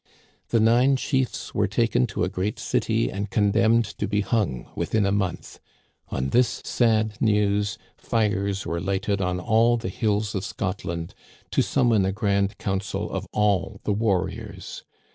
" The nine chiefs were taken to a great city and con demned to be hung within a month. On this sad news fires were lighted on all the hills of Scotland to summon a grand council of all the warriors.